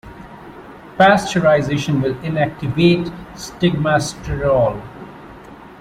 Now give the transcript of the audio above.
Pasteurization will inactivate stigmasterol.